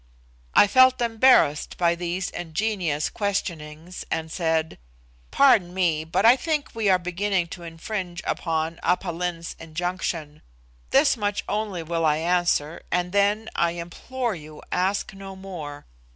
I felt embarrassed by these ingenious questionings, and said, "Pardon me, but I think we are beginning to infringe upon Aph Lin's injunction. This much only will I answer, and then, I implore you, ask no more.